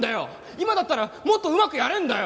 今だったらもっとうまくやれるんだよ！